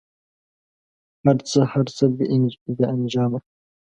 هر څه، هر څه بې انجامه